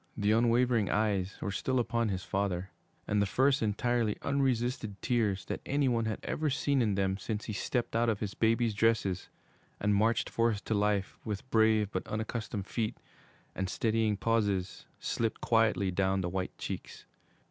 The unwavering eyes were still upon his father, and the first entirely unresisted tears that any one had ever seen in them since he stepped out of his baby's dresses and marched forth to life, with brave but unaccustomed feet, and steadying pauses, slipped quietly down the white cheeks.